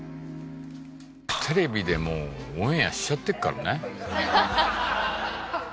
テレビでもうオンエアしちゃってるからね。